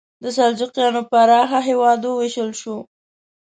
د سلجوقیانو پراخه هېواد وویشل شو.